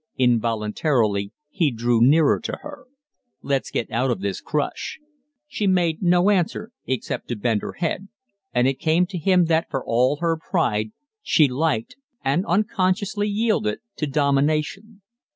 Involuntarily he drew nearer to her. "Let's get out of this crush." She made no answer except to bend her head; and it came to him that, for all her pride, she liked and unconsciously yielded to domination.